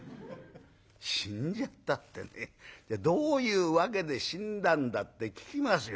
「死んじゃったってねどういう訳で死んだんだって聞きますよ」。